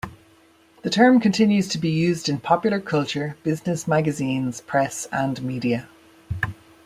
The term continues to be used in popular culture, business magazines, press and media.